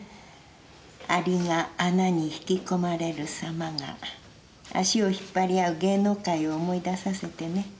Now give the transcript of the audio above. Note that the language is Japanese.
アリが穴に引き込まれるさまが足を引っ張り合う芸能界を思い出させてね。